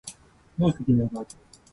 どうして君が泣いているの？